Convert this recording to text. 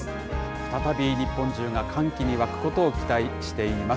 再び日本中が歓喜に湧くことを期待しています。